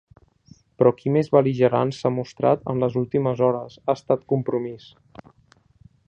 Però qui més bel·ligerant s’ha mostrat en les últimes hores ha estat compromís.